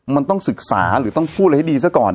มันต้องศึกษาหรือต้องพูดอะไรให้ดีซะก่อน